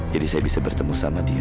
jadi saya bisa bertemu sama dia